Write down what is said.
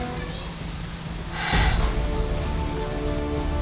tapi ternyata hasilnya tidak seperti yang saya pikir